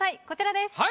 こちらです。